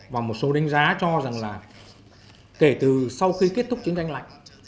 và một số đánh giá cho rằng là kể từ sau khi kết thúc chiến tranh lạnh